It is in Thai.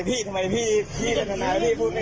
พี่ไม่ได้แบบพี่ก็ไม่ต้องการ